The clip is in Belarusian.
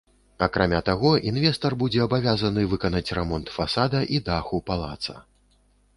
Акрамя таго, інвестар будзе абавязаны выканаць рамонт фасада і даху палаца.